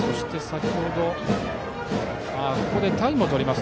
ここでタイムを取ります。